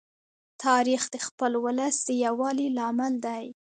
تاریخ د خپل ولس د یووالي لامل دی.